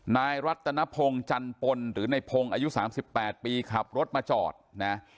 นายรัตนพงศ์จันปนหรือในพงศ์อายุ๓๘ปีขับรถมาจอดนะ